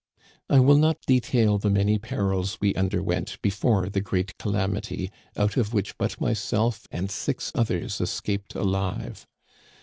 I will not detail the many perils we underwent be fore the great calamity out of which but myself and six others escaped alive.